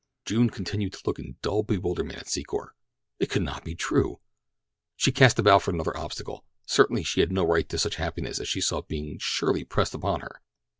June continued to look in dull bewilderment at Secor. It could not be true! She cast about for another obstacle. Certainly she had no right to such happiness as she saw being surely pressed upon her.